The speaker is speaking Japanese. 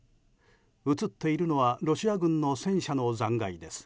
映っているのはロシア軍の戦車の残骸です。